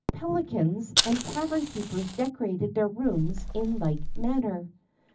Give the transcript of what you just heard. Publicans and tavern keepers decorated their rooms in like manner.